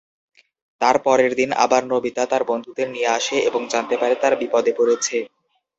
তার পরের দিন আবার নোবিতা তার বন্ধুদের নিয়ে আসে এবং জানতে পারে তারা বিপদে পড়েছে।